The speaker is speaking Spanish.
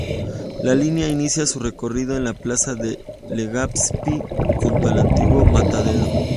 La línea inicia su recorrido en la Plaza de Legazpi, junto al antiguo matadero.